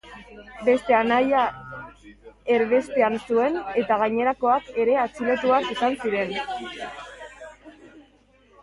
Beste anaia erbestean zuen, eta gainerakoak ere atxilotuak izan ziren.